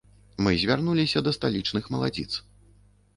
Мы звярнуліся да сталічных маладзіц.